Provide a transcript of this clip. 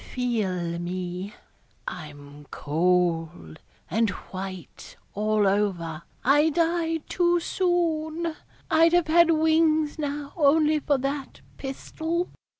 Feel me I'm cold and white all over I died too soon I'd have had wings now only for that pistol.